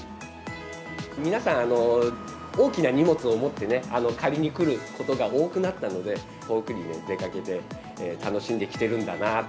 皆さん、大きな荷物を持ってね、借りに来ることが多くなったので、遠くに出かけて楽しんできてるんだなと。